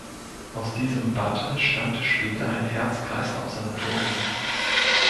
Aus diesem Bad entstand später ein Herz-Kreislauf-Sanatorium.